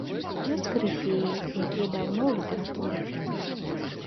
Ёсць карыфеі, якія даўно ў літаратуры.